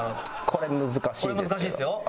これ難しいですよ。